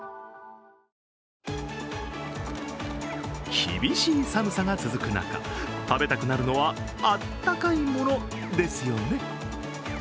厳しい寒さが続く中食べたくなるのは温かいものですよね。